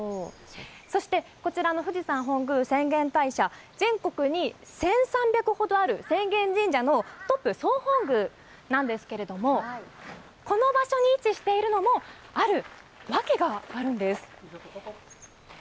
そして、こちらの富士山本宮浅間大社、全国に１３００ほどある浅間神社のトップ総本宮なんですけれども、この場所に位置しているのもあるわけがあるんです。